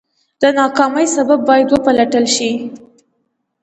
د ناکامۍ سبب باید وپلټل شي.